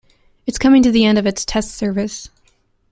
It's coming to the end of its test service.